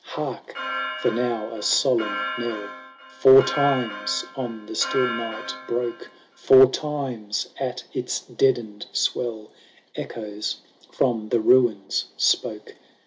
— Hark ! for now a solemn knell Four times on the still night broke ; Four times, at its deadened swell. Echoes from the ruins spoke.